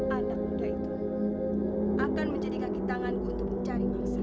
anak muda itu akan menjadi kaki tanganku untuk mencari mangsa